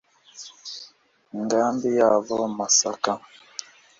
Ingambi yabo Masaka